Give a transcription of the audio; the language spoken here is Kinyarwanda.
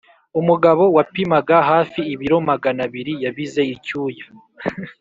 umugabo wapimaga hafi ibiro maganabiri yabize icyuya